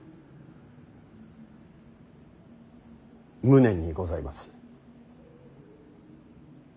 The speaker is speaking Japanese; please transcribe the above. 無念にございます。